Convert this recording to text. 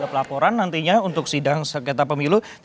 ya ini adalah pertanyaan yang akan dilakukan oleh timnas